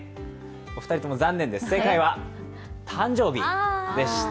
お二人とも残念です、正解は誕生日でした。